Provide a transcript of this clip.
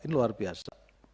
ini luar biasa